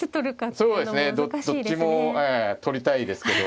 そうですねどっちも取りたいですけど。